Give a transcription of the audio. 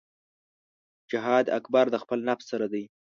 جهاد اکبر د خپل نفس سره دی .